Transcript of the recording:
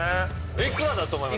いくらだと思います？